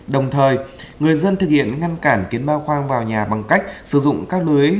đồng thời người dân thực hiện ngăn cản kiến bao khoang vào nhà bằng cách sử dụng các lưới